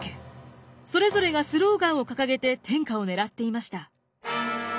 それぞれがスローガンを掲げて天下を狙っていました。